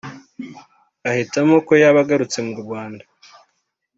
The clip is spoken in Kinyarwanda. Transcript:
ahitamo ko yaba agarutse mu Rwanda